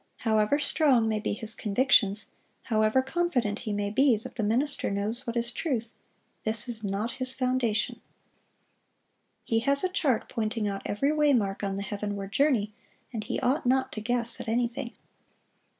However strong may be his convictions, however confident he may be that the minister knows what is truth, this is not his foundation. He has a chart pointing out every way mark on the heavenward journey, and he ought not to guess at anything.